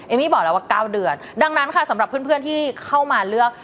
มี่บอกแล้วว่า๙เดือนดังนั้นค่ะสำหรับเพื่อนที่เข้ามาเลือก